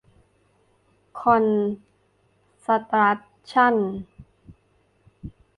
คอนสตรัคชั่น